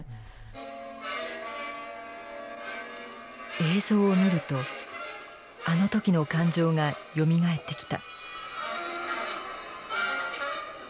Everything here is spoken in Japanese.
映像を見るとあの時の感情がよみがえってきた。